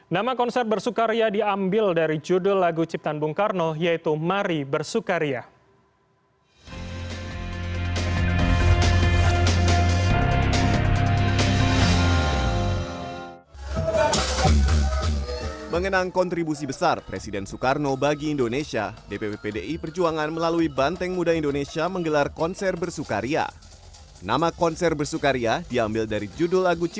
nama konser bersukaria diambil dari judul lagu ciptaan bung karno yaitu mari bersukaria